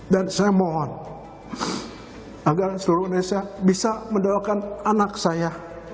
dan saya mohon agar seluruh indonesia bisa mendoakan anak saya